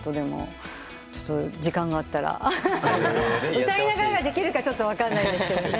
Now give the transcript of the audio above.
歌いながらできるかちょっと分かんないですけど。